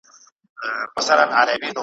خدای بېشکه مهربان او نګهبان دی ,